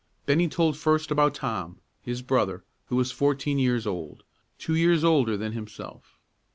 Bennie told first about Tom, his brother, who was fourteen years old, two years older than himself.